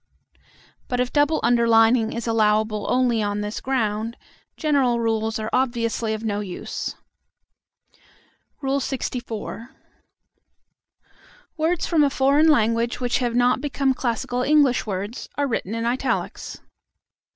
But if double underlining is allowable only on this ground, general rules are obviously of no use. LXIV. Words from a foreign language which have not become classical English words, are written in italics.